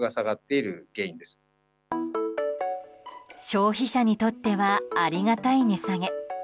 消費者にとってはありがたい値下げ。